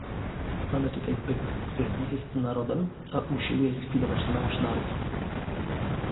Mamy tutaj byt, który nie jest narodem, a usiłuje zlikwidować nasz naród